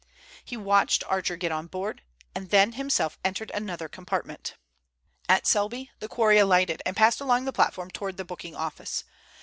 He watched Archer get on board, and then himself entered another compartment. At Selby the quarry alighted, and passed along the platform towards the booking office.